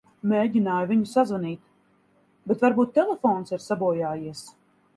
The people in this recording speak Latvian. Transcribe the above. Mēģināju viņu sazvanīt, bet varbūt telefons ir sabojājies.